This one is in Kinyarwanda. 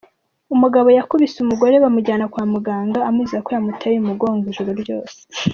Umugabo yakubise umugore bamujyana kwa muganaga amuziza ko yamuteye umugongo ijoro ryose.